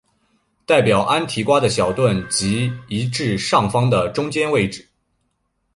代表安提瓜的小盾即移至上方的中间位置。